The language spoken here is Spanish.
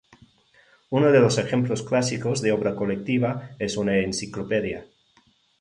Uno de los ejemplos clásicos de obra colectiva es una enciclopedia.